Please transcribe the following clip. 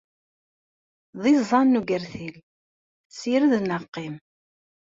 D iẓẓan n ugertil, sired neɣ qqim.